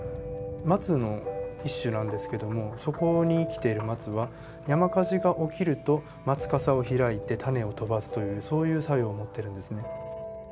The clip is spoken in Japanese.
松の一種なんですけどもそこに生きている松は山火事が起きると松かさを開いて種を飛ばすというそういう作用を持ってるんですね。